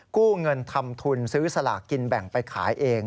กู้เงินทำทุนซื้อสลากกินแบ่งไปขายเอง